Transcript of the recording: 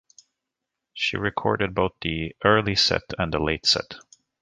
She recorded both the early and the late set.